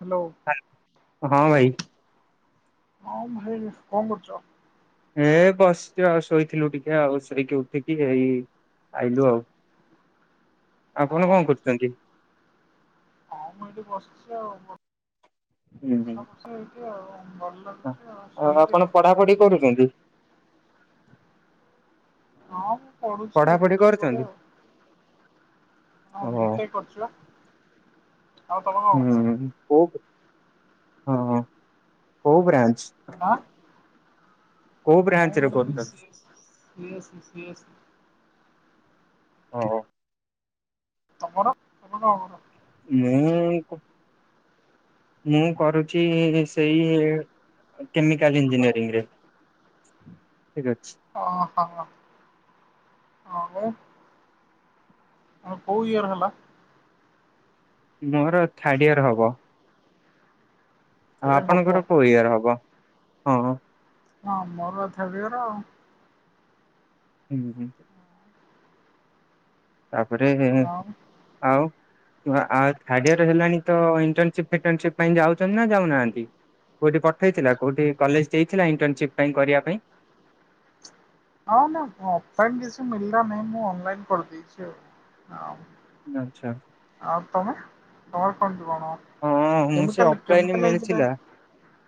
Hello ହଁ ଭାଇ ହଉ ଭାଇ କଣ କରୁଛ? ହେ ବସିଚୁ ଆଉ ଶୋଇଥିଲୁ ଟିକେ ଆଉ ସେରକି ଉଠିକି ଏଇ ଆଇଲୁ ଆଉ ଆପଣ କଣ କରୁଛନ୍ତି? ହ ମୁଁ ଏଠି ବସିଛ ଆ ହୁଁ ବସା ହୁଁ ବସି ହେଇଛି ଆଉ ଭଲ ଲାଗୁଛି ଆଉ ଶୋଇଛି ଆପଣ ଆଉ ପଢାପଢି କରୁଛନ୍ତି ହଁ ମୁଁ ପଢୁଛି ଆଉ ବି ପଢାପଢି ଟେକ୍ ପରେ କରୁଛନ୍ତି? ଆଉ ହଁ ଓହୋ ବି ଟେକ୍ କରୁଛି? ଆଉ ତମେ କଣ କରୁଛ? ହୁଁ କୋଉ ହଁ କୋଉ ବ୍ରାନ୍ଚ? ଆଁ କୋଉ ବ୍ରାଞ୍ଚ ରେ କରୁଛନ୍ତି? [inaudible] ଓ ହୋ ତମର ତମର? ମୁଁ ମୁଁ କରୁଛି ସେଇ କେମିକାଲ ଇଞ୍ଜିନିୟରିଂରେ ଓ ହୋ ହଁ ମେ କୋଉ ଇୟର ହେଲା? ମୋର ଥାର୍ଡ ଇୟର ହବ। ଥାର୍ଡ ଇୟର ହବ ଆପଣଙ୍କର କୋଉ ଇୟର ହବ ହଁ? ହଁ ମୋର ତ [unintelligible] ହୁଁ ହୁଁ। ତାପରେ ଆଉ ଆଉ ଆଉ ଥାର୍ଡ ଇୟର ହେଲାଣି ତ ଇଣ୍ଟସି ଫିଣ୍ଟସିପ ପାଇଁ ଯାଉଛନ୍ତି ନା ଯାଉନାହାନ୍ତି? କୋଉଠି ପଠେଇଥିଲା କୋଉଠି କଲେଜ ଦେଇଥିଲା ଇଣ୍ଟର୍ନସିପ ପାଇଁ କରିବା ପାଇଁ? ହଁ ନା ଅଫଲାଇନ କିଛି ମଳିଲା ନାହିଁ ମୁଁ ଅନଲାଇନ କରିଦେଇଛି ଆଉ। ଆଚ୍ଛା। ହଁ [inaudible]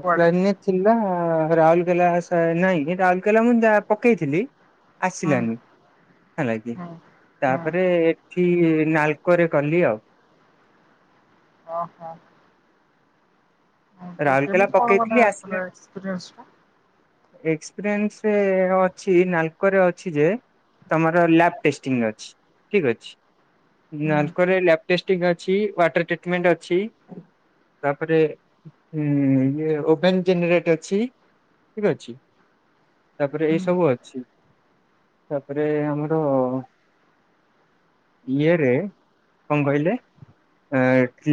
କୁଆଡେ ଥିଲା। ହ ରାଉରକେଲା ନାଇଁ ରାଉରକେଲା ମୁଁ ଯା ପକେଇଥିଲି ହୁଁ ଆସିଲାନି ହେଲାଗି ହୁଁ ତା ହୁଁ ତାପରେ ଏଠି ନାଲକୋରେ କଲି ଆଉ। ଓ ହୋ ରାଉରକେଲା ମାନେ ପକେଇଥିଲି ତୋର ଆସିଲେ ଏକ୍ସପିରିଏନ୍ସ ଟା? ଏକ୍ସପିରିଏନ୍ସ ଅଛି ନାଲକୋରେ ଅଛି ଯେ ତମର ଲ୍ୟାବଟେଷ୍ଟିଙ୍ଗ ଅଛି ଠିକ ଅଛି। ହୁଁ ନାଲ୍କୋରେ ଲ୍ୟାବଟେଷ୍ଟିଙ୍ଗ ଅଛି ୱାଟର ଟ୍ରିଟମେଣ୍ଟ ଅଛି। ତାପରେ ହୁଁ ଇଏ ଓଭେନ ଜେନେରେଟ ଅଛି ଠିକ ଅଛି। ତାପରେ ଏଇ ହୁଁ ସବୁ ଅଛି ତାପରେ ଆମର ଇୟରେ କଣ କହିଲେ?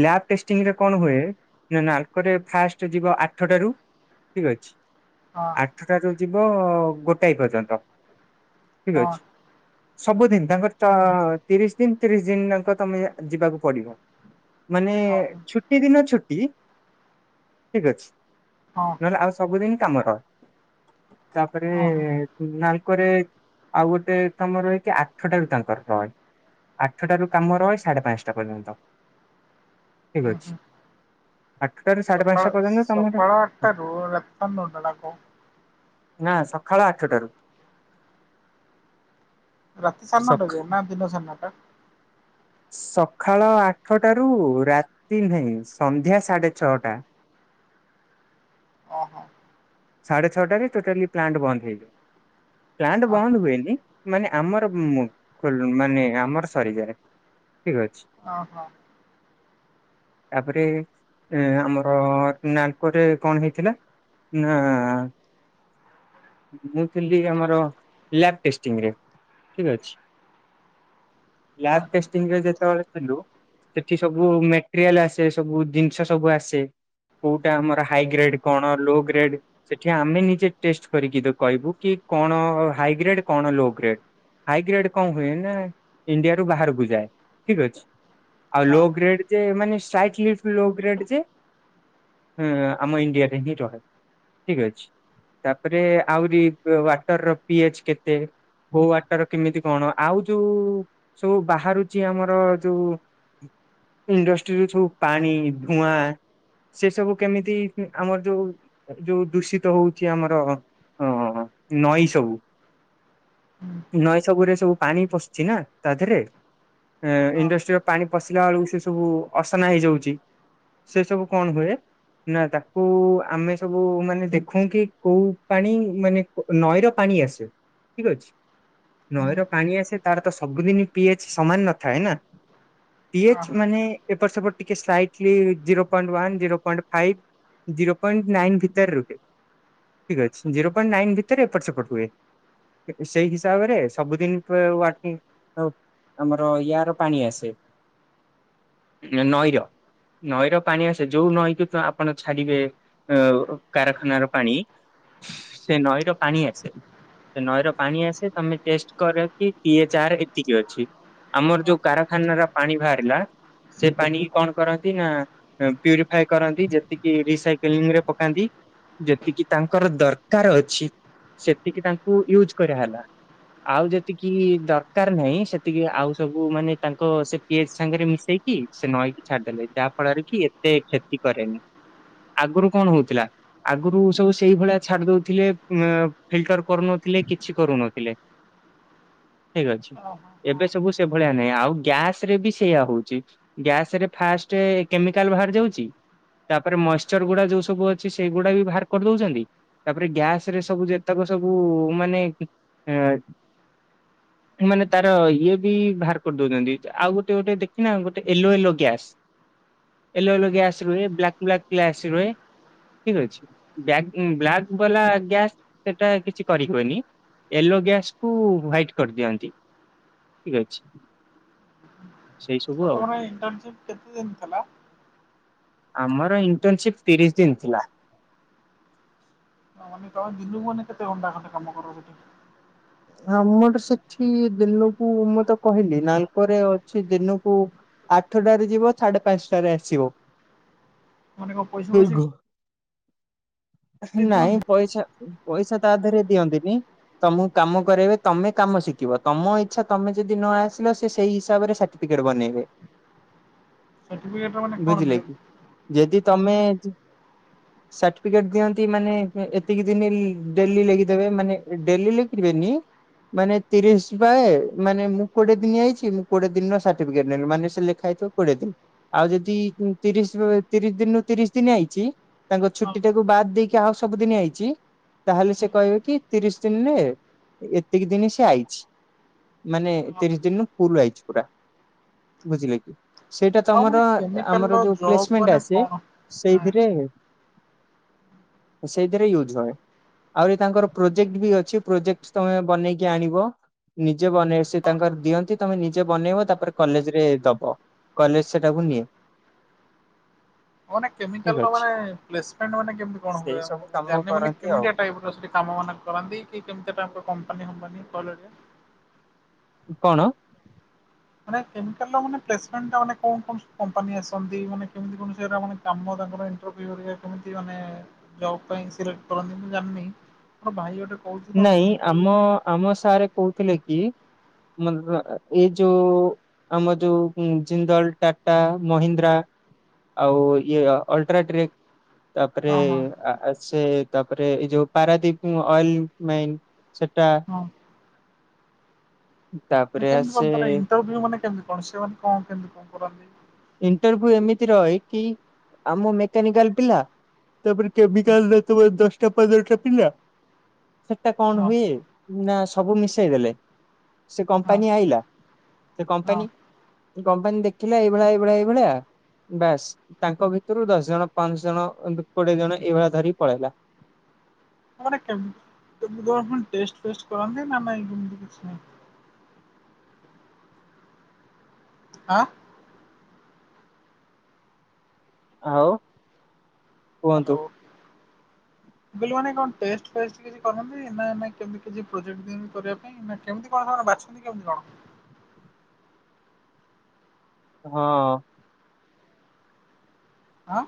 ଲାବ୍ ଟେଷ୍ଟିଂ ରେ କଣ ହୁଏ ନା ନାଲକୋ ଫାଷ୍ଟ ଯିବ ଆଠଟାରୁ ଠିକ ଅଛି ହଁ ଆଠଟାରୁ ଯିବ ଗୋଟାଏ ପର୍ଯ୍ୟନ୍ତ ଠିକ ହଁ ଅଛି ସବୁଦିନ ତାଙ୍କର ତିରିଶ ଦିନ ତିରିଶ ଦିନ ତାଙ୍କ ତମେ ଯିବାକୁ ପଡିବ। ମାନେ ହଁ ହଁ ଛୁଟି ଦିନ ଛୁଟି। ଠିକ ଅଛି ହଁ ନହେଲେ ଆଉ ସବୁଦିନ କାମର। ତାପରେ ହଁ ନାଲ୍ କୋରେ ଆଉ ଗୋଟେ ତମର ରହିଚି ଆଠଟାରୁ ତାଙ୍କର ରହେ। ଆଠଟାରୁ କାମ ରହେ ସାଢେ ପାଞ୍ଚଟା ପର୍ଯ୍ୟନ୍ତ। ଠିକ୍ ହୁଁ ଅଛି ହୁଁ ଆ ସକାଳ, ସକାଳ ଆଟାରୁ ରାତି ସାଢ଼େନଅଟା ନା କଣ? ନା ସକାଳ ଆଠଟାରୁ। ରାତି ସା଼ଢେନଅଟା ସଖା ଯାଏଁ ନା ଦିନ ସାଢେନଅଟା। ସକାଳ ଆଠଟା ରୁ ରାତି ନାହିଁ ସନ୍ଧ୍ୟା ସାଢେ ଛଅଟା। ଓହୋ ସାଢେ ଛଅଟାରେ ଟୋଟାଲି ପ୍ଲାଣ୍ଟ ବନ୍ଦ ହେଇଯିବ। ପ୍ଲାଣ୍ଟ ଅ ବନ୍ଦ ହୁଏନି ମାନେ ଆମର ମୋ ମାନେ ଆମର ସରିଯାଏ। ଠିକ ଅଛି। ଓ ହୋ। [inaudible] ତାପରେ ଆମର ନାଲକୋରରେ କଣ ହେଇଥିଲା? ନାଆ ମୁଁ ଥିଲି ଆମର ଲ୍ୟାବ ଟେଷ୍ଟିଙ୍ଗରେ ଠିକ ଅଛି। ହଁ ଲ୍ୟାବ ହୁଁ ଟେଷ୍ଟିଂ ରେ ଯେତେବେଳେ ସେଠି ସବୁ ମେଟେରିଆଲ ଆସେ ସବୁ ଜିନିଷ ସବୁ ଆସେ। କୋଉଟା ଆମର ହାଇଗ୍ରେଡ କଣ ଲୋଗ୍ରିଡ ସେଠି ଆମେ ନିଜେ ଟେଷ୍ଟ କରିକି ତାକୁ କହିବୁ କି କଣ ହାଇଗ୍ରେଡ କଣ ଲୋଗ୍ରେଡ। ହାଇଗ୍ରେଡ କଣ ହୁଏ ନା ଇଣ୍ଡିଆରୁୁ ବାହାରକୁ ଯାଏ, ଠିକ ଅଛି। ଆଉ ହଁ ଲୋ ଗ୍ରେଡ ଯେ ମାନେ ସ୍ଲାଇଟ୍ ଲିଫ୍ ଲୋଗ୍ରେଡ ଯିଏ ଆମ ଇଣ୍ଡିଆରେ ହିଁ ରହେ। ଠିକ ଅଛି ତାପରେ ଆହୁରି ୱାଟର ର ପି ଏଚ କେତେ? କୋଉ ୱାଟର କେମିତି କଣ ଆଉ ଯୋଉ ସବୁ ବାହାରୁଛି ଆମର ଯୋଉ ଇଣ୍ଡଷ୍ଟ୍ରି ର ସବୁ ପାଣି, ଧୂଆଁ। ସେ ସବୁ କେମିତି ଆମର ଯୋଉ ଯୋଉ ଦୂଷିତ ହଉଛି ଆମର ଅ ନଈ ସବୁ। ହୁଁ ନଈ ସବୁରେ ସବୁ ପାଣି ପଶୁଛି ନା ତା ଦେହରେ। ହିଁ ଓହୋ ଓହୋ ଇଣ୍ଡଷ୍ଟ୍ରି ର ପାଣି ପଶିଲା ବେଳକୁ ସେ ସବୁ ଅସନା ହେଇଯାଉଛି। ସେ ସବୁ କଣ ହୁଏ ନା ତାକୁ ଆମେ ସବୁ ମାନେ ଦେଖୁ କି କୋଉ ପାଣି ମାନେ ନଈ ର ପାଣି ଆସେ। ଠିକ ଅଛି। ନଈର ପାଣି ଆସେ ତାର ତ ସବୁଦିନ ପିଏଚ୍ ସମାନ ନଥାଏ ନା। ପି ଏଚ ମାନେ ଏପଟ ସେପଟ ଟିକେ slightly zero point one, zero point five zero point nine ଭିତରେ ରୁହେ, ଠିକ ଅଛି। ଜିରୋ ପଏଣ୍ଟ ନାଇନ ଭିତରେ ଏପଟ ସେପଟ ହୁଏ। ସେଇ ହିସାବରେ ସବୁଦିନ [inaudible] ଆମର ୟାର ପାଣି ଆସେ। ନଈର, ନଈର ପାଣି ଆସେ ଯୋଉ ନଈକୁ ଆପଣ ଛାଡିବେ। ଅ ଉ କାରଖାନାର ପାଣି ସେ ନଈର ପାଣି ଆସେ। ସେ ନଈ ର ପାଣି ଆସେ ତମେ ଟେଷ୍ଟ କର କିିଏ ପିଏଚ୍ ଆର ଏତିକି ଅଛି। ଆମର ଯୋଉ କାରଖାନ ର ପାଣି ବାହାରିଲା ସେ ପାଣି କଣ କରନ୍ତି ନା ପ୍ୟୁରିଫାଏ କରନ୍ତି ଯେତିକି ରାଇକ ଫିଲ୍ମରେ ପକାନ୍ତି। ଯେତିକି ତାଙ୍କର ଦରକାର ଅଛି। ସେତିକି ତାଙ୍କୁ ୟୁଜ କରାହେଲା। ଆଉ ଯେତିକି ଦରକାର ନାହିଁ। ସେତିକି ଆଉ ସବୁ ମାନେ ତାଙ୍କ ସେ କିଏ ସାଙ୍ଗରେ ମିଶେଇକି କି ସେ ନଈକି ଛାଡିଦେଲେ ଯାହା ଫଳରେ କି ଏତେ କ୍ଷତି କରେନି। ଆଗରୁ କଣ ହଉଥିଲା। ଆଗରୁ ସବୁ ସେଇଭଳିଆ ଛାଡି ଦଉଥିଲେ ଫିଲ୍ଟର କରୁନଥିଲେ କିଛି କରୁନଥିଲେ। ଠିକ୍ ଅଛି। ଓହୋ ଏବେ ହଁ ସବୁ ସେଭଳିଆ ନାହିଁ ଆଉ ଗ୍ୟାସ ରେ ବି ସେଇୟଆା ହଉଛି। ଗ୍ୟାସ ରେ ଫାଷ୍ଟ କେମିକାଲ ବାହାରି ଯାଉଛି। ତାପରେ ମସ୍ ଗୁଡା ଯୋଉ ସବୁ ଅଛି ସେଗୁଡା ବି ବାହାର କରି ଦଉଛନ୍ତି ତାପରେ ଗ୍ୟାସ ରେ ସବୁ ଯେତକ ସବୁାନ ମାନେ ମାନେ ତାର ଇଏ ବି ବାହାର କରିଦଉଛନ୍ତି ଆଉ ଗୋଟେ ଗୋଟେ ଦେଖିନା ଗୋଟେ ଏଲୋ ଏଲୋ ଗ୍ୟାସ୍ ଏଲୋ ହୁଁ ଗ୍ୟାସ୍ ହୁଁ ଆସି ରୁହେ ବ୍ଲାକ୍ ବ୍ଲାକ୍ ଲ ଆସି ରୁହେ ଠିକ ଅଛିଲା ଗ୍ୟା ସେଟା କିଛି କରି ହଏନି ୟେଲୋ ଗ୍ୟାସ୍କୁୁ ହ୍ଵାଇଟ କରିଦିଅନ୍ତି ଠିକ ଅଛି। ସେଇ ସବୁ ଆଉ। ତମର ଇଣ୍ଟ କେତେ ଦିନ ଥିଲା ଆମର ଇଣ୍ଟରନସିପ ତିରିଶ ଦିନ ଥିଲା। ମାନେ କଣ ଦିନକୁ ମାନେ କେତେ ଘଣ୍ଡା କଟେ କାମ କର ସେଠି ମର ସେଠି ଦିନକୁ ମୁଁ ତ କହିଲି ନାଲକୋରେ ଅଛି ଦିନକୁ ଆଠଟାରେ ଯିବ ସାଢେ ପାଞ୍ଚଟାରେ ଆସିବ ମାନେ କ ପଇସା ପଇସା ନାଇଁ ପଇସା ପଇସା ତା ଦେହରେ ଦିଅନ୍ତିନି ତମକୁ କାମ କରରେବେ ତମେ କାମ ଶିଖିବ ତମ ଇଚ୍ଛା ତମେ ଯଦି ନ ଆସିଲ ସେ ସେଇ ହିସାବରେ ସା। ବନେଇବେ ସାର୍ଟିଫିକେଟ ମାନେ କଣ ବୁଝିଲେ କି ଦିଅନ୍ତି? ଯଦି ତମେ ସର୍ଟିଫିକେଟ ଦିଅନ୍ତି ମାନେ ଏତିକି ଦିନ ଡେଲି ଲେିଦବେ ମାନେ ଡେଲି ଲିିବେନି ମାନେ ତିରିଶ ବା ମାନେ ମୁଁ କୋଡିେ ଦିନ ଯାଇଛି ମୁଁ କୋଡିେ ଦିନର ସାର୍ଟିଫିକେଟ ନେି ମାନେ ସେ ଲେଖା ହେଛି କୋଡିଏ ଦିନ ଆଉ ଯଦି ତିରିଶ ତିରିଶ ଦିନରୁ ତିରିଶ ଦିନ ଆଇଛି ତାଙ୍କ ହଁ ଛୁଟି ଟା ୁ ବାଦ ଦେଇକି ଆଉ ସବୁଦିନ ହେଇଛି ତାହେଲେ ସେ କହିବେ କି ତିରିଶ ଦିନରେ ଏତିକି ଦିନ ସେ ଆଇଛି ମାନେ ହଁ ତିରିଶ ଦିନ ଫୁଲ ଆଇଛି ପୁରା ବୁଝିଲେ କି ସେଇଟା ଆଉ ମାନେ ତମର କେମିକାଲର ଆମର ଯୋଉ ଜବ୍ ପ୍ଲେସମେଣ୍ଟ ମାନେ ଆସ କଣ? ସେଇଥିରେ ସେଇଥିରେ ୟୁଜ ହଏ। ଆହୁରି ତାଙ୍କର ପ୍ରୋଜେକ୍ଟ ବି ଅଛି ପ୍ରୋଜେକ୍ଟ ତମେ ବନେଇକି ଆଣିବ ନିଜେ ବନେଇ ସେ ତାଙ୍କର ଦିଅନ୍ତି ତମେ ନିଜେ ବନେଇବ ତାପରେ କଲେଜ ରେ ଦବ। କଲେଜ ସେଟାକୁ ନେଇ େ କେମିକାଲ ମାନ୍ଲେମେଣ୍ଟ ାନ କେମିତି କଣ ସେଇ ହୁଏ ସବୁ କାମ ଜାନ ମାନ କରନ୍ତି ଆଉ କେମିତି ଟାଇପ ର ସେଠ କାମ ମାନ କରନ୍ତି କି କେମିତି ଟ କମ୍ପାନୀମ୍ପାନୀ କଲରେ କଣ? ମାନେ [inaudible] ମାନେ ପ୍ଲେସମେଣ୍ଟଟା ମାନେ [unintelligible] କମ୍ପାନୀ ଆସନ୍ତି ମାନେ କେମିତି [inaudible] କାମ ତାଙ୍କର ଇଣ୍ଟଭ୍ୟୁରେ କେମିତି ମାନେ ଜବ୍ ପାଇଁ ସିଲେକ୍ଟ କରନ୍ତି ମୁଁ ଜାଣିନି, ମୋର ଭାଇ ଗୋଟେ କହୁଛି ତ ନାଇଁ କେମିକାଲ ଆମ ଆମ ସାର୍ କହୁଥିଲେ କି [inaudible] ଏଇ ଯୋଉ ଆମ ଯୋଉ ଜିନ୍ଦଲ୍ ଟାଟା ମହିନ୍ଦ୍ରା ଆଉ ଇଏ ଅଲଟ୍ରାଟ୍ରେକ୍ ତାପରେ ହଁ ହଁ ଆ-ଆ ସେ ତାପରେ ଏଇ ଯୋଉ ପାରାଦୀପ୍ ଅଏଲ ମେନ୍ ସେଟା ହଁ। ମାନେ ତାପରେ କେମିତି ଆସେ କଣ ତାର ଇଣ୍ଟଭ୍ୟୁ ମାନେ କେମିତି କଣ ସେମାନେ କଣ କେମତି କଣ କରନ୍ତି? ଇଣ୍ଟରଭ୍ୟୁ ଏମିତି ରହେ କି ଆମ ମେକାନିକାଲ୍ ପିଲା ତାପରେ କେମିକାଲରେ ତମେ ଦଶଟା ପନ୍ଦରଟା ପିଲା। ସେଟା କଣ ହଁ ହୁଏ, ନା ସବୁ ମିଶେଇ ଦେଲେ ସେ ହଁ କମ୍ପାନୀ ଆଇଲା ସେ ହଁ କମ୍ପାନୀ କମ୍ପାନୀ ଦେଖିଲା ଏଇଭଳିଆ ପୁରା ଏଇ ଭଳିଆ ବାସ୍ ତାଙ୍କ ଭିତରୁ ଦଶ ଜଣ, ପାଞ୍ଚ ଜଣ ଏମିତି କୋଡିଏ ଜଣ ଏଇଭଳିଆ ଧରି ପଳେଇଲା। [inaudible] ଆ ମାନେ କେମ୍ କେମିତି କଣ ପୁଣି ଟେଷ୍ଟଫେଷ୍ଟ୍ କରନ୍ତି ନା ନାହିଁ ନା ଏମିତି କିଛି ନାହିଁ? ଆଁ? ଆଉ, କୁହନ୍ତୁ। [inaudible] [unintelligible] କଣ୍ ଟେଷ୍ଟଫେଷ୍ଟ୍ କିଛି କରନ୍ତି ନା ନାଇଁ କେମିତି କିଛି ପ୍ରୋଜେକ୍ଟ ଦିଅନ୍ତି କରିବା ପାଇଁ ନା କେମିତି କଣ ସେମାନେ ବା ବାଛନ୍ତି କେମିତି କଣ? [inaudible] ହଁ ଆଁ